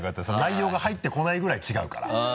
その内容が入ってこないぐらい違うから。